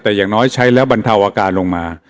แต่อย่างน้อยใช้แล้วบรรเทาอาการลงมา